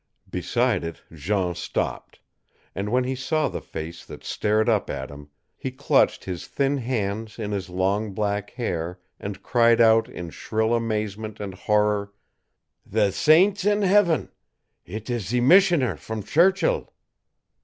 Beside it Jean stopped; and when he saw the face that stared up at him, he clutched his thin hands in his long black hair and cried out, in shrill amazement and horror: "The saints in Heaven, it is the missioner from Churchill!"